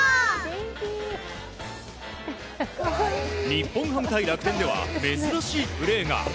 日本ハム対楽天では珍しいプレーが。